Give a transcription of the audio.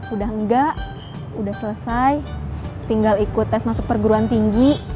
udah enggak udah selesai tinggal ikut tes masuk perguruan tinggi